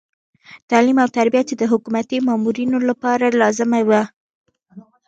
تعلیم او تربیه چې د حکومتي مامورینو لپاره لازمه وه.